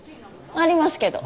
ありますけど。